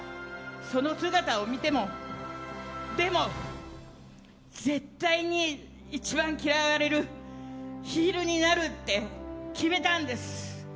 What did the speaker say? その姿を見てもでも、絶対に一番嫌われるヒールになるって決めたんです。